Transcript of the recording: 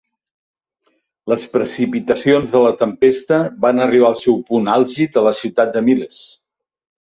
Les precipitacions de la tempesta van arribar al seu punt àlgid a la ciutat de Miles.